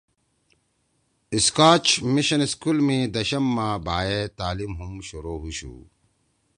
اسکاچ مشن اسکول می دشم ما بھائے تعلیم ہُم شروع ہُوشُو